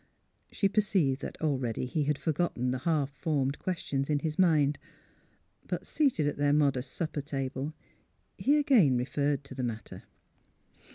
She perceived that already he had forgotten the half formed questions in his mind. But seated at their modest supper table, he again referred to the matter.